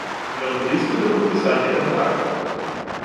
Ён блізкі да падпісання кантракту.